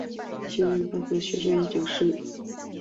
现任巴德学院讲师。